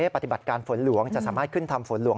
ปฏิบัติการฝนหลวงจะสามารถขึ้นทำฝนหลวง